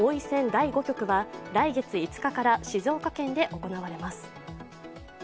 第５局は来月５日から静岡県で行われます。